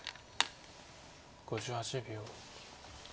５８秒。